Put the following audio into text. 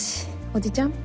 おじちゃん？